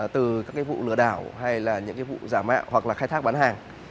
từ các cái vụ lửa đảo hay là những cái vụ giả mạ hoặc là khai thác bán hàng